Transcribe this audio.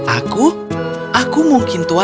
aku aku mungkin tuanmu